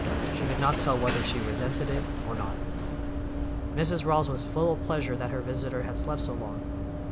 She could not tell whether she resented it or not. Mrs. Rawls was full of pleasure that her visitor had slept so long.